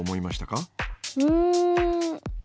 うん。